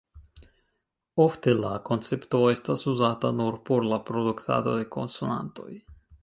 Ofte la koncepto estas uzata nur por la produktado de konsonantoj.